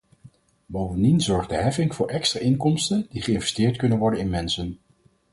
Bovendien zorgt de heffing voor extra inkomsten die geïnvesteerd kunnen worden in mensen.